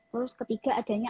terus ketiga adanya